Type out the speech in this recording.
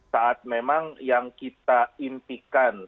saat memang yang kita impikan